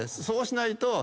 そうしないと。